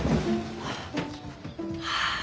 はあ。